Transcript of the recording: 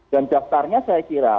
dan daftarnya saya kira